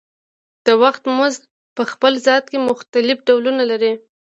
د وخت مزد په خپل ذات کې مختلف ډولونه لري